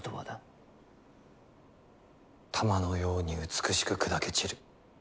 玉のように美しく砕け散る。